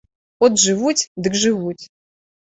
От жывуць, дык жывуць!